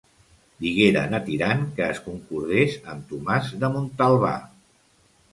Digueren a Tirant que es concordés amb Tomàs de Muntalbà.